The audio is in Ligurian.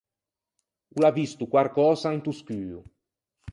O l’à visto quarcösa into scuo.